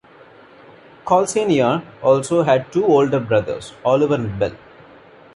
Cal Senior also had two older brothers, Oliver and Bill.